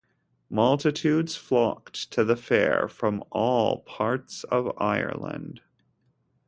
Multitudes flocked to the fair from all parts of Ireland.